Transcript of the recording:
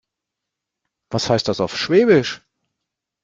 Was heißt das auf Schwäbisch?